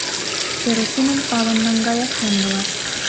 Керосиным палын наҥгаяш ямдылат.